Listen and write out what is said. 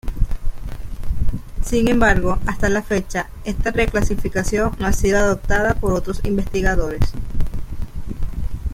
Sin embargo, hasta la fecha, esta reclasificación no ha sido adoptada por otros investigadores.